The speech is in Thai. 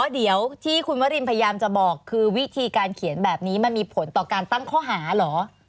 เดี๋ยวที่คุณวรินพยายามจะบอกคือวิธีการเขียนแบบนี้มันมีผลต่อการตั้งข้อหาเหรอ